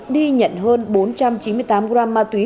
đi nhận hơn bốn trăm chín mươi tám gram ma túy